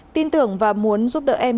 tin tưởng và muốn giúp đỡ em